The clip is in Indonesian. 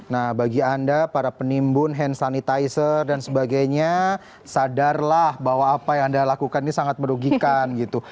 nah bagi anda para penimbun hand sanitizer dan sebagainya sadarlah bahwa apa yang anda lakukan ini sangat merugikan gitu